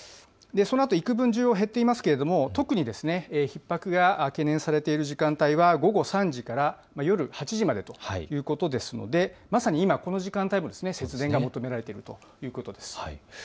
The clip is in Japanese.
そのあと、いくぶん需要が減っていますけれども特に、ひっ迫が懸念されている時間帯は、午後３時から夜８時までということですのでまさに今、この時間帯も節電が求められているということです。